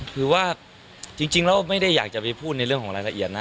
คือว่าจริงแล้วไม่ได้อยากจะไปพูดในเรื่องของรายละเอียดนะ